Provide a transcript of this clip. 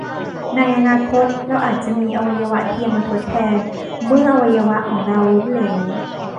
ในอนาคต เราอาจจะมีอวัยวะเทียมมาทดแทนเมื่ออวัยวะของเราล้มเหลว